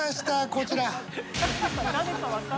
こちら。